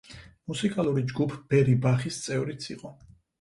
მუსიკალური ჯგუფ „ბერი ბახის“ წევრიც იყო.